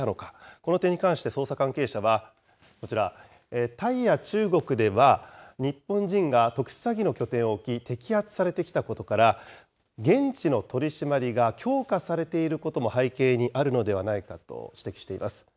この点に関して、捜査関係者はこちら、タイや中国では、日本人が特殊詐欺の拠点を置き、摘発されてきたことから、現地の取締りが強化されていることも背景にあるのではないかと指摘しています。